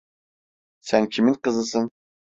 Sen kimin kızısın?